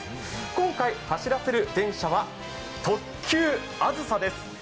今回走らせる電車は特急あずさです。